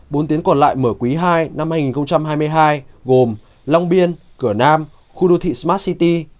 bốn tuyến còn lại mở quý ii năm hai nghìn hai mươi hai gồm long biên cửa nam khu đô thị smart city